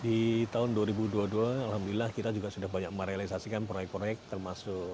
di tahun dua ribu dua puluh dua alhamdulillah kita juga sudah banyak merealisasikan proyek proyek termasuk